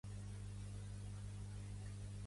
Esteu a punt, camarades Carroll i Jackson?